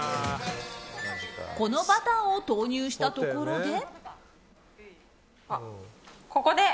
このバターを投入したところで。